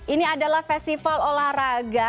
ini adalah festival olahraga